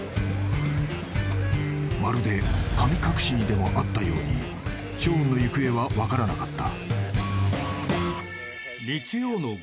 ［まるで神隠しにでも遭ったようにショーンの行方は分からなかった］